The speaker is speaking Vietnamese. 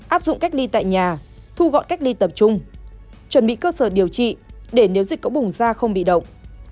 áp dụng cách ly tại nhà thu gọn cách ly tập trung chuẩn bị cơ sở điều trị để nếu dịch có bùng ra không bị động